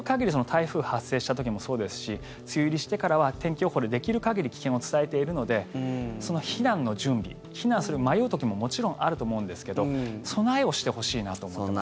台風発生した時もそうですし梅雨入りしてからは天気予報でできる限り危険を伝えているのでその避難の準備避難するか迷う時ももちろんあると思うんですけど備えをしてほしいなと思います。